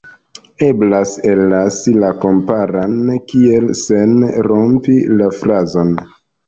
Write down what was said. Eblas ellasi la komparan kiel sen rompi la frazon.